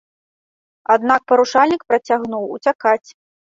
Аднак парушальнік працягнуў уцякаць.